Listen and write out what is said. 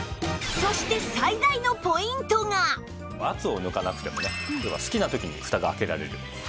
そして圧を抜かなくてもね好きな時にふたが開けられる。